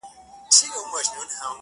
مُلا عزیز دی ټولو ته ګران دی.!